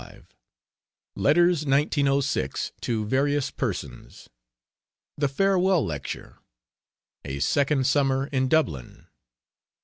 XLV. LETTERS, 1906, TO VARIOUS PERSONS. THE FAREWELL LECTURE. A SECOND SUMMER IN DUBLIN.